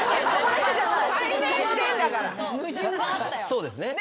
そうですね。